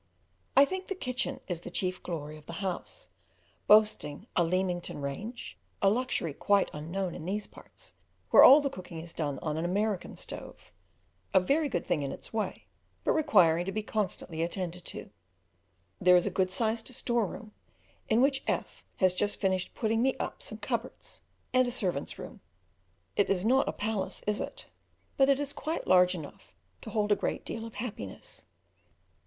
I think the kitchen is the chief glory of the house, boasting a "Leamington range" a luxury quite unknown in these parts, where all the cooking is done on an American stove, a very good thing in its way, but requiring to be constantly attended to. There is a good sized storeroom, in which F has just finished putting me up some cupboards, and a servants' room. It is not a palace is it? But it is quite large enough to hold a great deal of happiness.